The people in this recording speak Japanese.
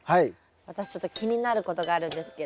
私ちょっと気になることがあるんですけど。